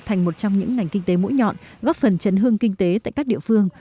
thành một trong những ngành kinh tế mũi nhọn góp phần chấn hương kinh tế tại các địa phương